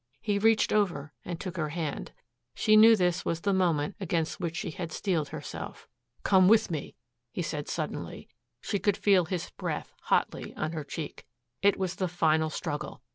He reached over and took her hand. She knew this was the moment against which she had steeled herself. "Come with me," he asked suddenly. She could feel his breath, hotly, on her cheek. It was the final struggle.